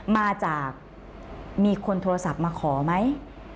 มาจากมีคนโทรศัพท์มาขอไหม